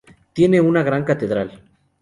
Tiene una gran catedral.